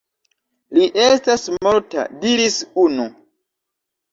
Li estas morta, diris unu.